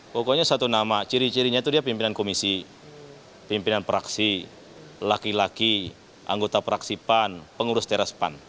pokoknya satu nama ciri cirinya itu dia pimpinan komisi pimpinan praksi laki laki anggota praksipan pengurus teras pan